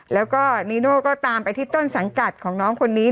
แล้วก็นีโน่ก็ตามไปที่ต้นสังกัดของน้องคนนี้